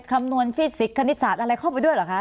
คำนวณฟิสิกสนิตศาสตร์อะไรเข้าไปด้วยเหรอคะ